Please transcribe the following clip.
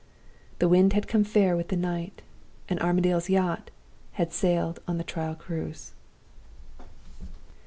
"The wind had come fair with the night; and Armadale's yacht had sailed on the trial cruise."